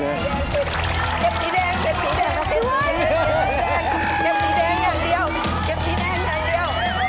เก็บสีแดงมาเก็บสีแดง